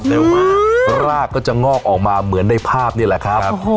เร็วมากรากก็จะงอกออกมาเหมือนในภาพนี่แหละครับ